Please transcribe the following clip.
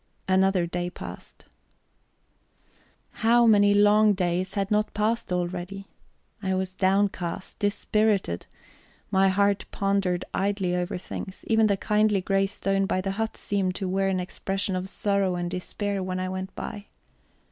Another day passed. How many long days had not passed already? I was downcast, dispirited; my heart pondered idly over things; even the kindly grey stone by the hut seemed to wear an expression of sorrow and despair when I went by.